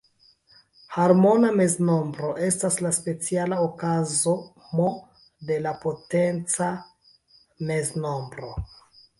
Harmona meznombro estas la speciala okazo "M" de la potenca meznombro.